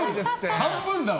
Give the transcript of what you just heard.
半分だわ！